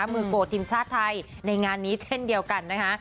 มือโกรธทีมชาติไทยในงานนี้เช่นเดียวกันนะคะ